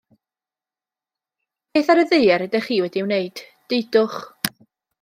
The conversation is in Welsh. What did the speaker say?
Beth ar y ddaear ydech chi wedi wneud, deudwch?